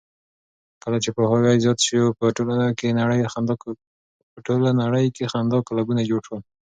کله چې پوهاوی زیات شو، په ټوله نړۍ کې خندا کلبونه جوړ شول.